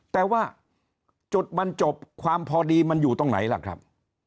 แต่ว่าจุดบรรจบความพอดีมันอยู่ตรงไหนล่ะครับ